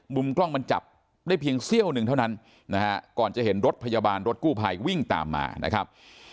กล้องมันจับได้เพียงเสี้ยวหนึ่งเท่านั้นนะฮะก่อนจะเห็นรถพยาบาลรถกู้ภัยวิ่งตามมานะครับ